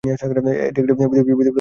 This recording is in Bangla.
এটি একটি বিধিবদ্ধ সরকারি সংস্থা।